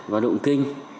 và động kinh